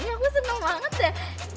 aku seneng banget deh